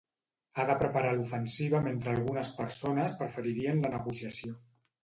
Ha de preparar l'ofensiva mentre algunes persones preferirien la negociació.